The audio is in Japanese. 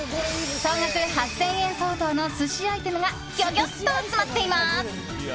総額８０００円相当の寿司アイテムがギョギョっと詰まっています。